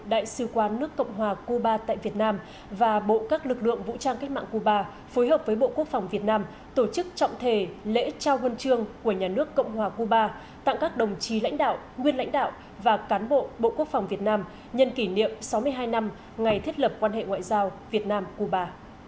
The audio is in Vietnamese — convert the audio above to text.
đại sứ quán nước cộng hòa cuba tại việt nam và bộ các lực lượng vũ trang cách mạng cuba phối hợp với bộ quốc phòng việt nam tổ chức trọng thể lễ trao huân chương của nhà nước cộng hòa cuba tặng các đồng chí lãnh đạo nguyên lãnh đạo và cán bộ bộ quốc phòng việt nam nhân kỷ niệm sáu mươi hai năm ngày thiết lập quan hệ ngoại giao việt nam cuba